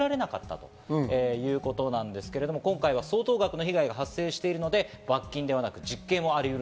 ということなんですけれども、今回は相当額の被害が発生しているので罰金ではなく実刑もあり得る。